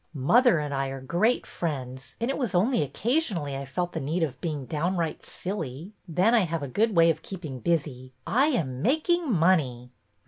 Mother and I are great friends and it was only occasionally I felt the need of being down right silly. Then I have a good way of keeping busy. I am — making money